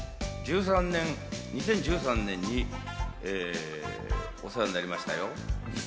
２０１３年にお世話になりましたよ。